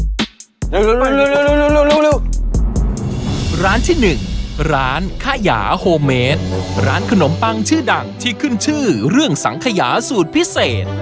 เร็วเร็วเร็วเร็วร้านที่หนึ่งร้านคาหยาโฮมเมดร้านขนมปังชื่อดังที่ขึ้นชื่อเรื่องสังขยาสูตรพิเศษ